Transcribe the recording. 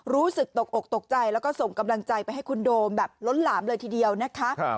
รู้สึกตกอกตกใจแล้วก็ส่งกำลังใจไปให้คุณโดมแบบล้นหลามเลยทีเดียวนะคะ